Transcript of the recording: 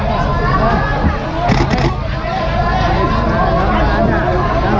สวัสดีครับทุกคน